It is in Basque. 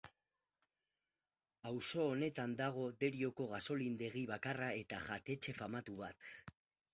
Auzo honetan dago Derioko gasolindegi bakarra eta jatetxe famatu bat.